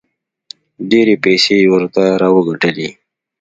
ډېرې پیسې یې ورته راوګټلې.